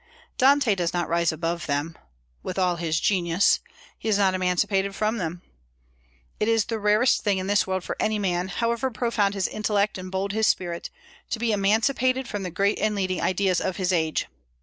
Dante does not rise above them, with all his genius; he is not emancipated from them. It is the rarest thing in this world for any man, however profound his intellect and bold his spirit, to be emancipated from the great and leading ideas of his age.